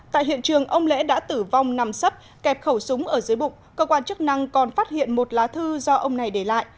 tại hiện trường ông lễ đã tử vong nằm sấp kẹp khẩu súng ở dưới bụng cơ quan chức năng còn phát hiện một lá thư do ông này để lại